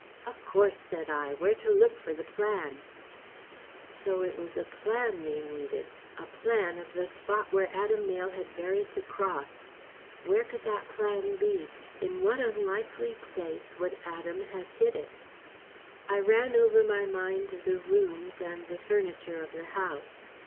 "Of course," said I, "where to look for the plan." So it was a plan they needed, a plan of the spot where Adam Mayle had buried the cross. Where could that plan be, in what unlikely place would Adam have hid it? I ran over my mind the rooms, and the furniture of the house.